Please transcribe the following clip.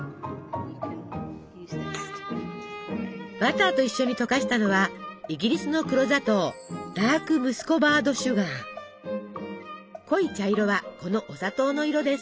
バターと一緒に溶かしたのはイギリスの黒砂糖濃い茶色はこのお砂糖の色です。